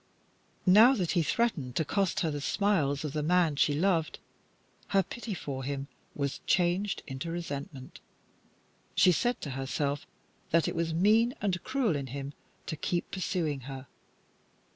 Now that he threatened to cost her the smiles of the man she loved, her pity for him was changed into resentment. She said to herself that it was mean and cruel in him to keep pursuing her.